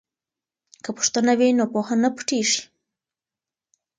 که پوښتنه وي نو پوهه نه پټیږي.